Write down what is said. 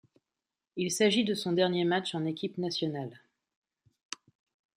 Il s'agit de son dernier match en équipe nationale.